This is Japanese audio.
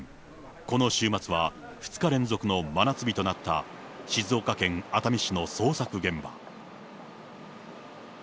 この週末は、２日連続の真夏日となった、静岡県熱海市の捜索現場。